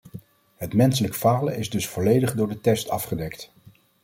Het menselijk falen is dus volledig door de test afgedekt.